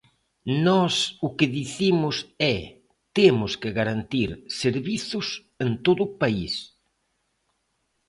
Nós o que dicimos é: temos que garantir servizos en todo o país.